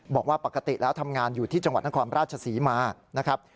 บอกว่าปกติแล้วทำงานอยู่ที่จังหวัดนครราชศรีมานะครับ